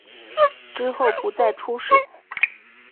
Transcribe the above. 之后不再出仕。